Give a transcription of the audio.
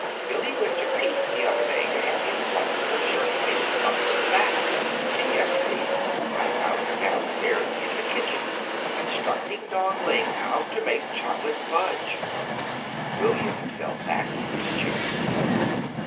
"Billy went to Pete the other day to have him button her shirt waist up in the back; and yesterday I found her down stairs in the kitchen instructing Dong Ling how to make chocolate fudge!" William fell back in his chair.